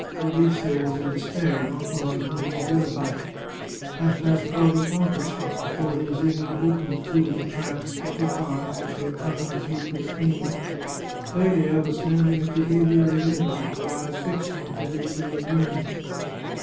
Fabrizio was in despair, not knowing how to get rid of him. Half past twelve o'clock had struck before he was able to open the two little traps, a foot high, which he had cut in his hateful screen. Clelia was standing at the aviary window, her eyes fixed on Fa brizio's room.